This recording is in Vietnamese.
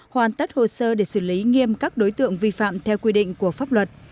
hoàn tất hồ sơ để xử lý nghiêm các đối tượng vi phạm theo quy định của pháp luật